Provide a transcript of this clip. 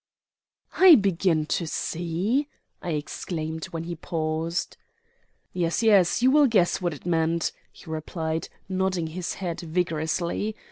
"I begin to see," I exclaimed when he paused. "Yes, yes, you will guess what it meant," he replied, nodding his head vigorously.